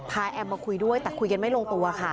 แอมมาคุยด้วยแต่คุยกันไม่ลงตัวค่ะ